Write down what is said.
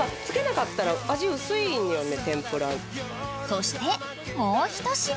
［そしてもう一品］